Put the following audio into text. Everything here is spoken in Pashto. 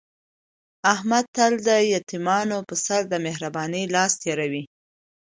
احمد تل د یتیمانو په سر د مهر بانۍ لاس تېروي.